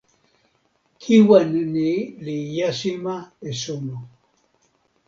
kiwen ni li jasima e suno.